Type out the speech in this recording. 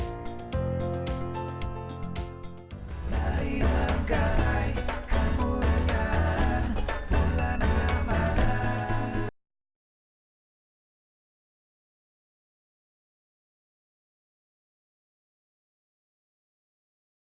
assalamu'alaikum warahmatullahi wabarakatuh